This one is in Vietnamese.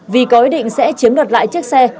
vì có ý định sẽ chiếm đoạt lại chiếc xe